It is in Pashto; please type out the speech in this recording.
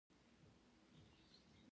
له هر چا سره د هغه په خپله ژبه خبرې وکړئ.